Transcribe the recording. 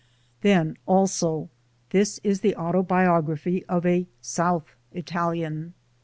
Then also, this is the autobiography of a South Italian.